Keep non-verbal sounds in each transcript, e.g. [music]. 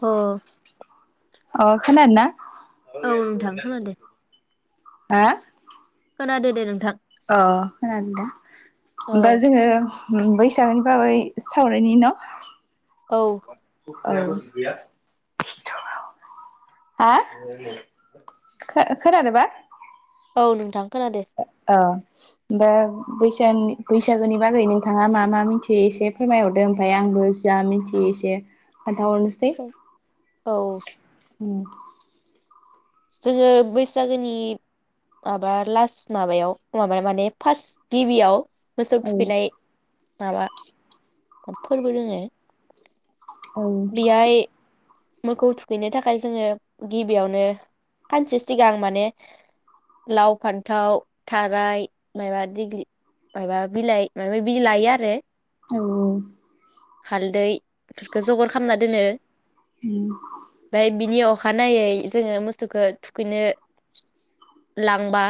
अ। अ खोनादोना? नोंथां खोनादो [unintelligible] हो? खोनादो दे नोंथां। अ खोनादों दा औ दा जोङो ओम बैसागोनि बागै सावरायनायनि न' औ औ [unintelligible] हा खो-खोनादोबा औ नोंथां। खोनादो औ बे बैसानि बैसागोनि बागै नोंथाङा मा मा मिनथियो एसे फोरमायहरदो ओमफाय आंबो जा मिथियो एसे खोन्थाहरनोसै औ उम जोङो बैसागोनि माबा लास्ट माबायाव माबा माने फास्ट गिबियाव मोसौ औ थुखैनाय माबा फोरबो दोङो। औ। बेहाय मोखौ थुखैनो थाखाय जोङो गिबियावनो सानसे सिगां माने लाव फान्थाव थाराय माइबा दिग्लि माइबा बिलाइ माइबा माइबि लायो आरो। औ। हालदै इफोरखौ जगार खालामना दोनो। बाय बिनि अ अखानायै जोङो मोसौखौ थुखैनो लांबा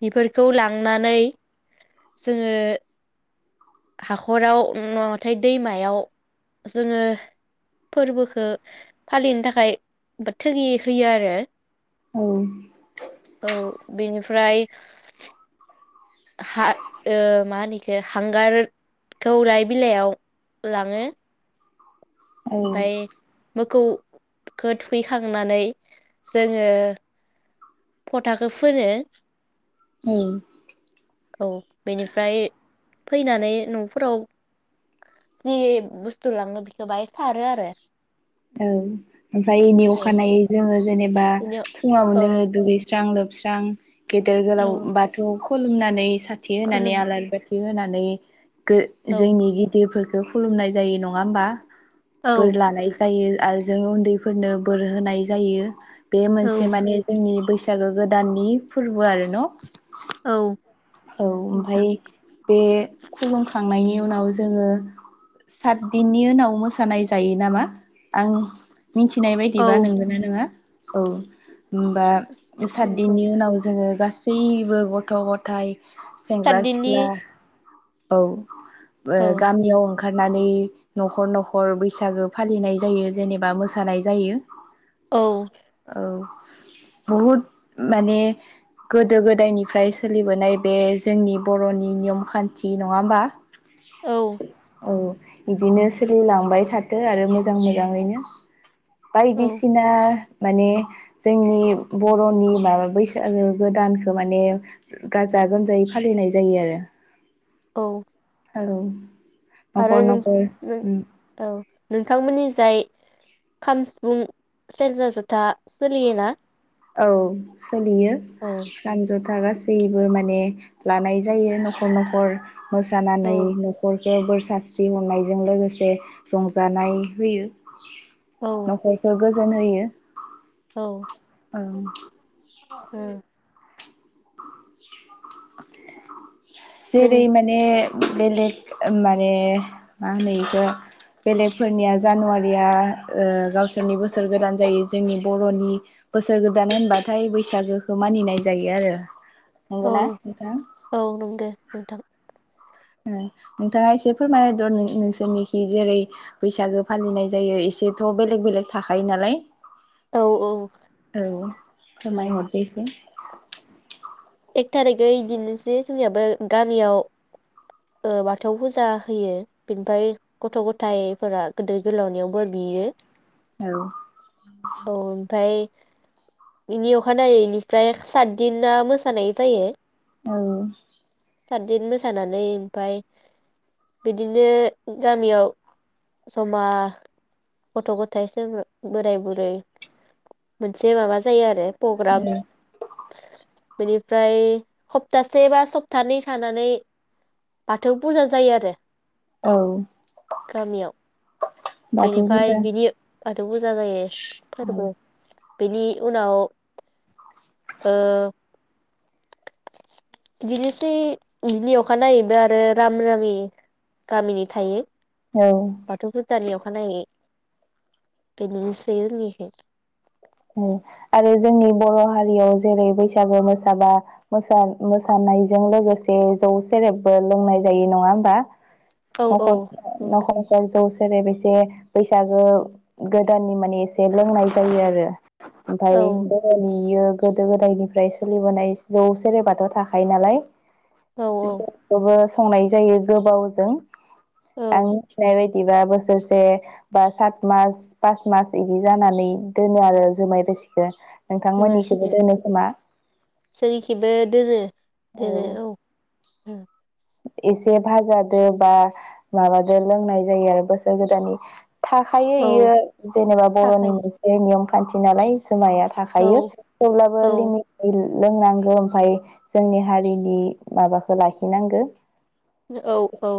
बेफोरखौ लांनानै जोङो हाखराव नङाबाथाय दैमायाव जोङो फोरबोखो फालिनो थाखाय थोगि होयो आरो। औ औ बेनि फ्राय हा ओ मा होनो इखो हांगारखौ लाइ बिलाइयाव लाङो ओमफफ्राय मोखौ खौ थुखैखांनानै जोङो फथाखौ फोनो औ औ औ बेनिफ्राय फैनानै नफोराव जि बुस्थु लाङो बेखौ बाहाय सारो आरो। औ ओमफ्राय एनि औ अखानायै जोङो जेनेबा बिनि औ फुङावनो दु दुगैस्रां लोब जां गेदेर गोलाव औ बाथौ खुलुमनानै खाथि होननानै खुलुम आलारि बाथि बि होनानै गो औ जोंनि गिदिर फोर बेखौ खुलुमनाय जायो नङा होमबा? औ बोर लानाय जायो आरो जों उन्दैफोरनो बोर होनाय जायो। बे औ मोनसे माने जोंनि बैसो बैसागो गोदाननि फोरबो आरो न औ औ नोंथां ओमफाय बे खुंखांनायनि उनाव जोङो सातदिननि उनाव मोसानाय जायो नामा आं मिनथिनाय औ बायदिबा नोंगोना नोङा औ होमबा सात नंगौ दिननि उनाव जोङो गास बयबो गथ गथाय सेंग्रा सातदिननि सिख्ला औ बो औ गामियाव ओंखारनानै नखर नखर बैसागो फालिनाय जायो जेनेबा मोसानाय जायो। औ औ बहुद माने गोदो गोदायनिफ्राय सोलिबोनाय बे जोंनि बर'नि नियम खान्थि नङा होमबा? औ औ बिदिनो सोलिलांबाय थाथो आरो मोजां मोजाङैनो औ बायदिसिना माने जोंनि बरनि माबा बैसागो गोदानखौ माने गास गाजा गोमजायै फालिनाय जायो आरो औ औ आरो नखर नों नखर नों उम औ नोंथांमोननि जाय खाम सिफुं सेरजा जथा सोलियो ना? औ सोलियो खाम जथा गा सैबो माने लानाय जायो न'खर न'खर मोसानानै औ न'खर बोर सानस्रि हरनायजों लोगोसे रंजानाय होयो औ नखरखौ गो जोन होयो औ ओं ओ जेरै नों माने बेलेग माने मा होनो इखौ बेलेगफोरनिया जानुवारिया ओ गावसोरनि बोसोर गोदान जायो जोंनि बर'नि बोसोर गोदान होनबाथाय बैसागोखौ मानिनाय जायो आरो। नंगौना? औ नोंथां नंगो नोंथां। ओ नोंथाङा एसे फोरमायदर नोंसोरनिखि जेरै बैसागो फालिनाय जायो एसेथ' बेलेग बेलेग थाखायो नालाय औ औ औ औ फोरमाय हरदो एसे। एक थारिखै इदिनोसै जोंनियाबो गामियाव बाथौ फुजा होयो बेनिफ्राय गथ' गथायाइफोरा गोदिर गोलावनियाव बोर बियो औ बिनि अखानायै बेनिफ्राय सातदिना मो थानाय जायो औ साददिन मोसानानै ओमफाय बिदिनो गामियाव जमा गथ गथाय बोराय बुरै मोनसे माबा जायो आरो पग्राम औ बेनिफ्राय हप्तासे बा सप्तानै थानानै बाथौ फुजा जायो आरो औ गामियाव बाथौ बेनिफ्राय बुरजा बिनि बाथौ फु जा जायो फोरबो - बेनि उनाव ओ बिदिनोसै बिदिनि अखानायैबो आरो राम-रामि गामिनि थायो। औ बाथौ बुजानि अखानायै बेदिनोसै ओंनिखै आरो जोंनि बर' हारियाव जेरै बैसागु मोसाबा मोसा मोसानायजों लोगोसे जौ सेरेबबो लोंनाय जायो नङा होमबा औ औ नख'र औ नख'र [unintelligible] जौ जेरै बेसे बैसागो गोदाननि माने एसे लोंनाय जायो आरो ओमफ्राय बरनि इयो गोदो गोदायनिफ्राय सोलिबोनाय जौ सेरेबाथ' थाखायो नालाय औ [unintelligible] खौबो संनाय जायो गोबावजों आं औ मिथिनाय बा बिदिबा बोसोरसे बा सात मास पास मास बिदि जानानै दोनो आरो जुमाय रोसिखो जोमाइ रोसि जोंनिखिबो दोनो बेेरे औ उम एसे भाजादो बा माबादो लोंनाय जायो आरो बोसोर गोदाननि थाखायो औ इयो जेनेबा बर'नि थाखायो मोनसे नियम खान्थि नालाय जोमाइया औ थाखायो थेवब्लाबो औ लिमिट लोंनांगौ ओमफाय जोंनि हारिनि माबाखो लाखिनांगौ औ औ।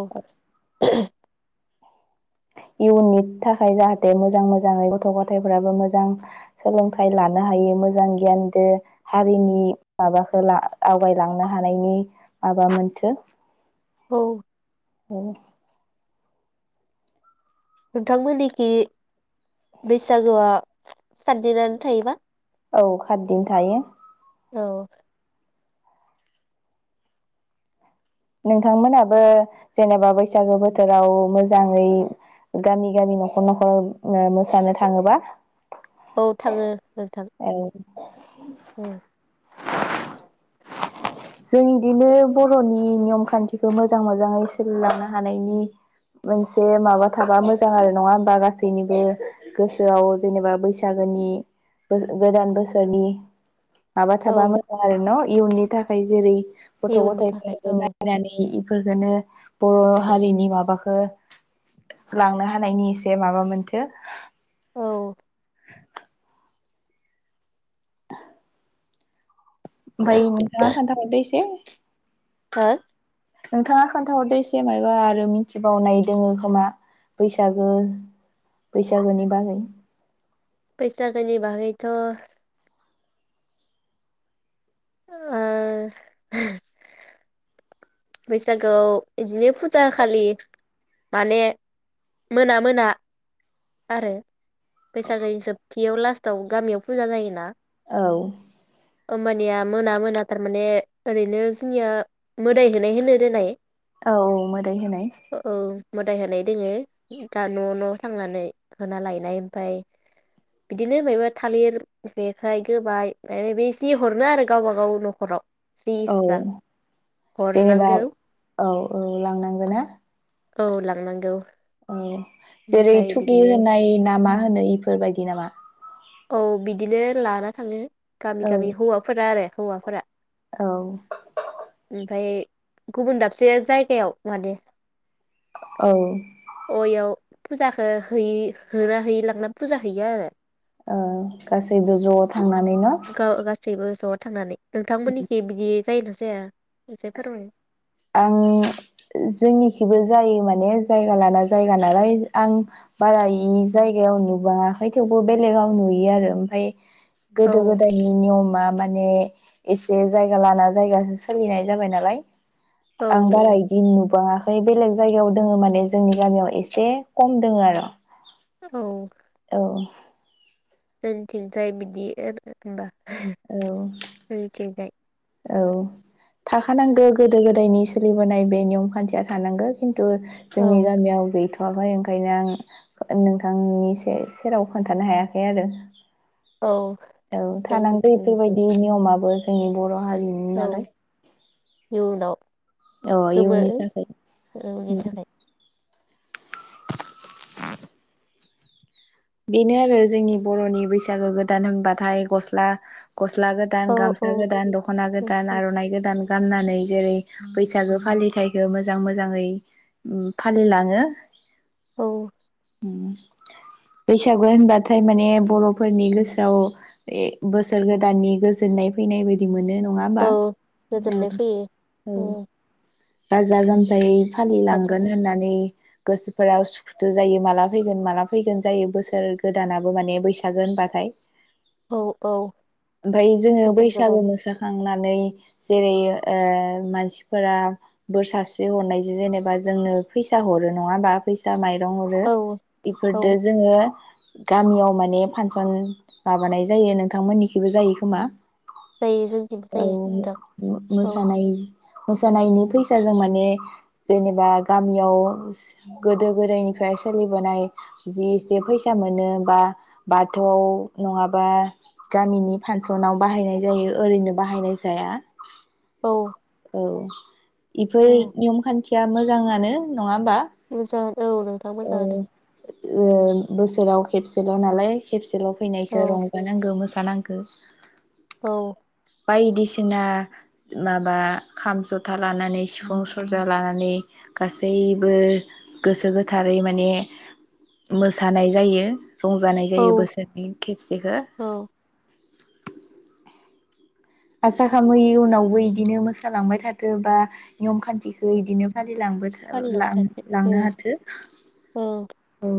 [inaudible] इयुननि थाखाय जाहाथे मोजां मोजाङै गथ गथायाइफोराबो मोजां सोलोंथाइ लानो हायो मोजां गियान दो हारिनि माबाखो आवगायलांनो हानायनि माबा मोनथो औ [unintelligible] नोंथांमोननिखि बैसागुआ सातदिनानो थायोबा? औ खातदिन थायो औ नोंथांमोनाबो जेनेबा बैसागो बोथोराव मोजाङै गामि गामि नखर नखर मोसानो थाङोबा। औ थाङो नोंथां। [inaudible] औ जों इदिनो बर'नि ‌ नियम खान्थिखौ मोजां मोजाङै सोलिलांनो हानायनि मोनसे माबा थाबा मोजां आरो नङा होमबा गासैनिबो गोसोआव जेनेबा बैसागोनि गोदान बोसोरनि माबा औ थाबा मोजां आरो न इयुननि थाखाय जेरै इउननि थाखाय औ ननानै [unintelligible] इफोरखोनो बर'हारिनि माबाखो लांनो हानायनि एसे माबा मोनथो औ [unintelligible] ओमफाय नोंथाङा खोनथाबावदो एसे हो नोंथाङा खोन्थाहरदो एसे मायबा आरो मिथिबावनाय दोङो खोमा बैसागो बैसागोनि बागै बैसागोनि बागैथ' [unintelligible] बैसागोआव बिदिनो फुजा होखालि माने मोना मोना आरो बैसागोनि जोबथियाव लास्टआव गामियाव फुजा जायोना औ होमबानिया मोना मोना थारमाने ओरैनो जोंनिया मोदाय [unintelligible] होनो रोनाय औ मोदाय होनाय। मोदाय होनाय दोङो दा न' न' थांनानै होना लायनाय ओमफाय बिदिनो मायबा थालिर जेखाइ गोबाय जे हरनो आरो गावबा गाव न'खराव जे औ इसा जेनेबा अरनांगौ औ औ लांनांगोन ना? औ लांनांगौ। औ जेरै ओमफ्राय थुगि बिदिनो होनाय नामा होनो इफोरबाय दि नामा? औ बिदिनो लाना थाङो। गामि औ गामि हौवाफोरा आरो हौवाफोरा औ ओमफ्राय गुबुन दाबसे जायगायाव माने औ अ' याव फोजाखो होयै होना होयै लांना फोजा हैयो आरो। ओ गासैबो ज' थांनानै न गा-गासैबो न'आव थांनानै। नोंथांमोननिखि बिदि जायो ना जाया एसे फोरमाय आं जोंनिखिबो जायो माने जायगा लाना जायगा नालाय आं बाराय जायगायाव नुुबाङाखै थेवबो बेलेगाव नुयो आरो आमफाय औ गोदो गोदायनि नियमा मा माने एसे जायगा लाना जागासो सोलिनाय जाबाय नालाय औ आं बारा इदि नुबाङा बै बेलेग जायगायाव दोङो माने जोंनि गामियाव एसे खम दोङो आरो। औ औ जोंथि जाय बिदि होनोमबा औ [unintelligible] औ थाखानांगौ गोदो गोदायनि सोलिबोनाय बे नियम खान्थिया थानांगौ खिन औ जोंनि गामियाव गैथ' माबाय ओंखायनो आं नोंथांनि से-सेराव खोन्थानो हायाखै आरो औ औ थानांदो जोंनिथिं बिदि इफोरबायदि नियमाबो जों बर'आ हारिनि औ नालाय इयुनाव अ गोमो इयुननि थाखाय इयुननि थाखाय बेनो आरो जोंनि बर'नि बैसागो गोदान होनबाथाय गस्ला गस्ला गोदान औ औ गामसा गोदान दखना गोदान आरनाइ गोदान। गाननानै जेरै बैसागो फालिथायखो मोजां मोजाङै फालिलाङो औ। उम बैसागु होनबाथाय माने बरफोरनि गोसोआव बोसोर गोदाननि गोजोननाय फैनाय बायदि मोनो न औ गोजोननाय फैयो। औ ओम, गाजा गोमजायै फालिलांगोन होननानै गोसोफोरा उसु खुथु जायो माला फैगोन माला फैगोन जायो बोसोर गोदानाबो माने बैसागो होनबाथाय। औ औ ओमफ्राय जोङो बोसोन गोनां बैसागो मोसाखांनानै जेरै ओ मानसिफोरा बोर सारस्रि हरनायजों जेनेबा जोंङो फैसा हरो नङा होमबा फैसा माइ हरो औ बेफोरदो औ जोङो गामियाव माने फानसन माबानाय जायो, नोंथांमोननिखैबो जायो खोमा? जायो जोंनिथिंबो औ जायो नोंथां औ मोसानाय मोसानायनि फैसा सोलों माने जेनेबा गामियाव गोदो गोदायनिफ्राय सोलिबोनाय जि एसे फैसा मोनो बा-बाथौआव नङाबा गामिनि फांसनाव बाहायनाय जायो ओरैनो बाहायनाय जाया औ औ इफोर औ नियम खान्थि या मोजांङानो नङा होमबा? मोजांनो औ नोंथां मोजाङानो ओं बोसोराव खेबसेल नालाय खेबसेल फैनायखौ औ रंजाननांगौ मोसाफै जानांगौ औ बायदिसिना माबा खाम जथा लानानै सिफुं सेरजा लानानै गासैबो गोसो गोथारै माने मोसानाय जायो। रंजानाय जायो औ बोसोरनि खेबसेखो औ आसा खालामो इयुनावबो इदिनो मोसालांबाय थाथो बा नियम खान्थिखौ इदिनो फालिलां फालिलांबाय लांनो थाथों हाथों औ औ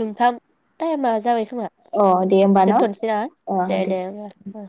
नोंथां टाइमा जाबाय था औ अ दे होमबा न' दोनथ'नोसै आं आ दे दे होनोमबा। ओ